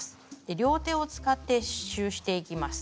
両手を使って刺しゅうしていきます。